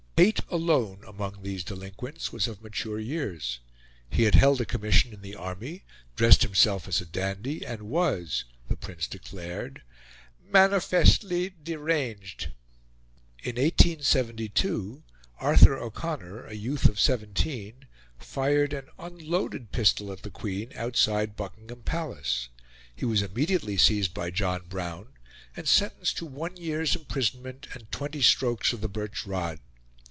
Pate, alone among these delinquents, was of mature years; he had held a commission in the Army, dressed himself as a dandy, and was, the Prince declared, "manifestly deranged." In 1872 Arthur O'Connor, a youth of seventeen, fired an unloaded pistol at the Queen outside Buckingham Palace; he was immediately seized by John Brown, and sentenced to one year's imprisonment and twenty strokes of the birch rod.